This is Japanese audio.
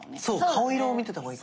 顔色を見てた方がいい。